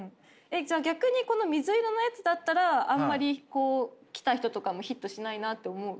じゃあ逆にこの水色のやつだったらあまり来た人とかもヒットしないなって思う？